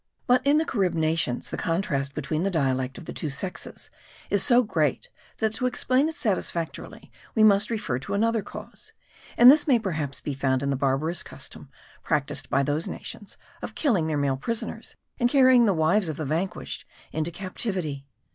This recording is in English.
But in the Carib nations the contrast between the dialect of the two sexes is so great that to explain it satisfactorily we must refer to another cause; and this may perhaps be found in the barbarous custom, practised by those nations, of killing their male prisoners, and carrying the wives of the vanquished into captivity.